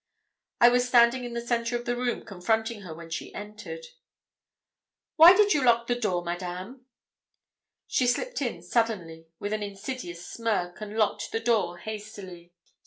I was standing in the centre of the room confronting her when she entered. 'Why did you lock the door, Madame?' I demanded. She slipped in suddenly with an insidious smirk, and locked the door hastily.